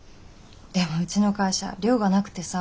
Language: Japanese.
でもうちの会社寮がなくてさ。